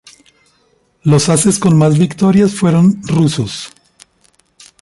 Los ases con más victorias fueron rusos.